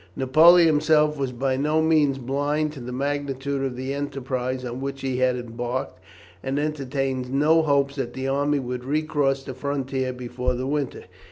Napoleon himself was by no means blind to the magnitude of the enterprise on which he had embarked, and entertained no hopes that the army would recross the frontier before the winter.